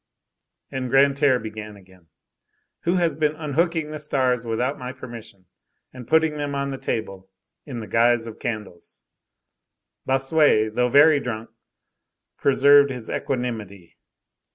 And Grantaire began again:— "Who has been unhooking the stars without my permission, and putting them on the table in the guise of candles?" Bossuet, though very drunk, preserved his equanimity.